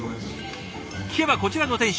聞けばこちらの店主